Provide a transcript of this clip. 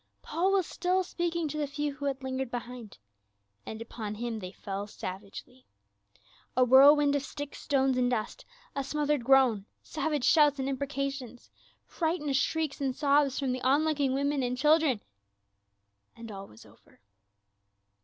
Paul was still speaking to the few who had lingered behind, and upon him they fell savagely. A whirlwind of sticks, stones, and dust, a smothered groan, savage shouts and imprecations, frightened shrieks and sobs from the on looking women and chil dren, and all was over.